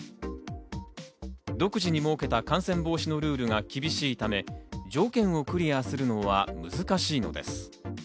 独自に設けた感染防止のルールが厳しいため、条件をクリアするのは難しいのです。